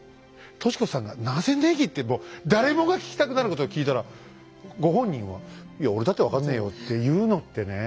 敏子さんが「なぜネギ？」ってもう誰もが聞きたくなることを聞いたらご本人は「いや俺だって分かんねえよ」っていうのってね